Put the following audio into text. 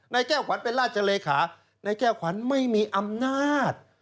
นายแก้วขวัญเป็นราชเลขานายแก้วขวัญไม่มีอำนาจ